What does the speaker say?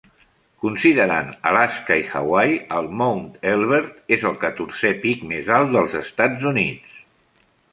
Considerant Alaska i Hawaii, el Mount Elbert és el catorzè pic més alt dels Estats Units.